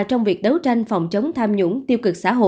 trong việc đấu tranh phòng chống tham dự